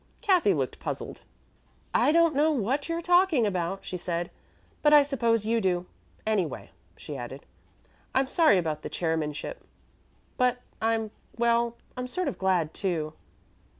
Cathy looked puzzled. "I don't know what you're talking about," she said, "but I suppose you do. Anyway," she added, "I'm sorry about the chairmanship; but I'm well, I'm sort of glad, too."